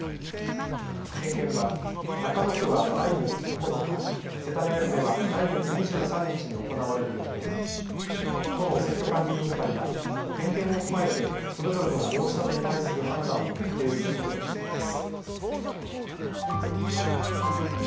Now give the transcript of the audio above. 点検は中野区は来月９日、世田谷区では来月２３日に行われる予定で都の選挙管理委員会は点検を踏まえてそれぞれの申し立てに対する判断を決定することにしています。